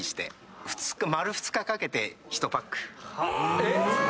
えっ！